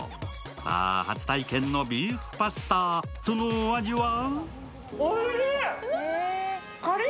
さあ、初体験のビーフパスタ、そのお味は？